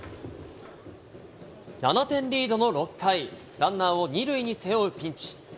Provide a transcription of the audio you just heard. ７点リードの６回、ランナーを２塁に背負うピンチ。